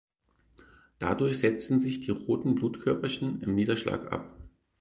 Dadurch setzen sich die roten Blutkörperchen im Niederschlag ab.